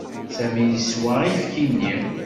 Sami yeswa ayefki-nni.